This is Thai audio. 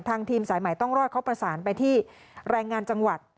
ทีมสายใหม่ต้องรอดเขาประสานไปที่แรงงานจังหวัด